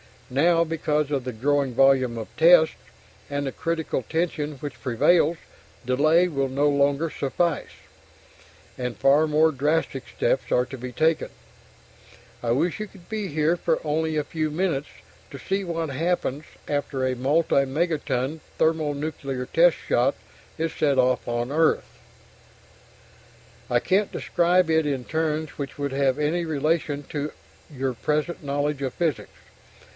Now, because of the growing volume of tests, and the critical tension which prevails, delay will no longer suffice, and far more drastic steps are to be taken. I wish you could be here for only a few minutes to see what happens after a multi megaton thermonuclear test shot is set off on Earth. I can't describe it in terms which would have any relation to your present knowledge of physics.